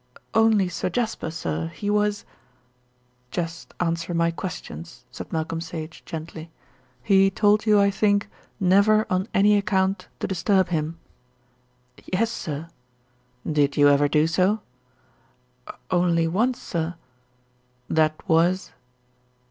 "Only Sir Jasper, sir. He was " "Just answer my questions," said Malcolm Sage gently. "He told you, I think, never on any account to disturb him?" "Yes, sir." "Did you ever do so?" "Only once, sir." "That was?"